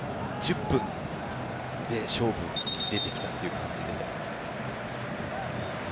１０分で勝負に出てきたという感じで。